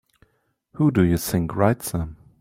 Who do you think writes them?